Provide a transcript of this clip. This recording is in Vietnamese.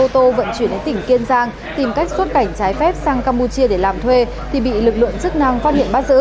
theo quy định của pháp luật